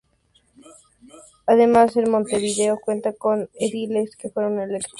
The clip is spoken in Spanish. Además en Montevideo cuenta con ediles que fueron electos por la Concertación.